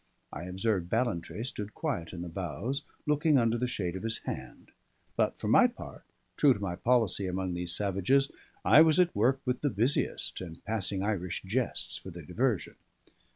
I observed Ballantrae stood quiet in the bows, looking under the shade of his hand; but for my part, true to my policy among these savages, I was at work with the busiest, and passing Irish jests for their diversion.